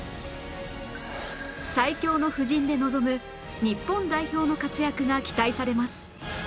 最強の布陣で臨む日本代表の活躍が期待されます